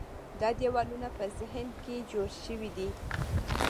دا دیوالونه په ذهن کې جوړ شوي دي.